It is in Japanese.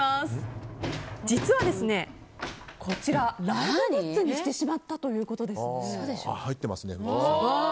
実は、ライブグッズにしてしまったということです。